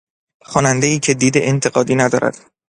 خوانندهای که دید انتقادی ندارد